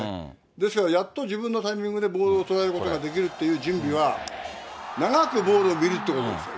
ですからやっと自分のタイミングでボールを捉えることができるという準備は、長くボールを見るということですよ。